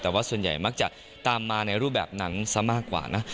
แต่ว่าส่วนใหญ่มักจะตามมาในรูปแบบนั้นซะมากกว่านะ